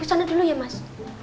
kesana dulu ya mas